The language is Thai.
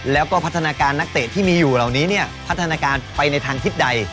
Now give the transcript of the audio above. แล้วก็พัฒนาการนักเตะที่มีอยู่เหล่านี้เนี่ยพัฒนาการไปในทางทิศใด